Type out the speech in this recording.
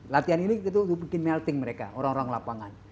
latihan ini kita bikin melting mereka orang orang lapangan